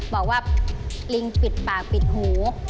บอกว่าลิงปิดปากปิดหู